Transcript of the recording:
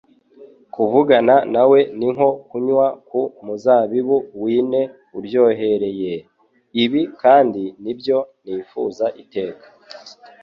Kuvugana nawe ni nko kunywa ku muzabibu (Wine) uryohereye, ibi kandi nibyo nifuza iteka